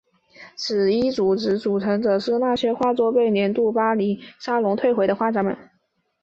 此一组织的组成者是那些画作被年度巴黎沙龙退回的画家们。